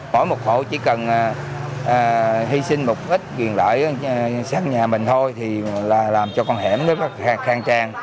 mỗi một hộ chỉ cần hy sinh một ít quyền lợi sang nhà mình thôi thì làm cho con hẻm nó khang trang